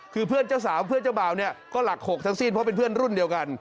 คือเพื่อนเจ้าสาวเพื่อนเจ้าบ่าวเนี่ยก็หลัก๖ทั้งสิ้นเพราะเป็นเพื่อนรุ่นเดียวกัน